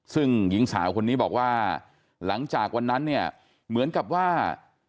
ซึ่งหญิงสาวคนนี้บอกว่าหลังจากวันนั้นเนี่ยเหมือนกับว่า